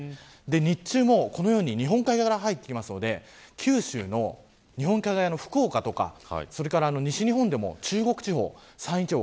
日中も、このように日本海側から入ってくるので九州の日本海側の福岡とか西日本でも中国地方、山陰地方